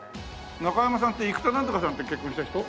中山さんって生田なんとかさんと結婚した人？